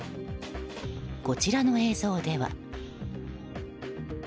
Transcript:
こちらの映像では。